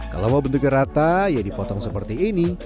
kalau mau bentuknya rata ya dipotong seperti ini